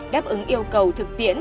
đáp ứng yêu cầu thực tiễn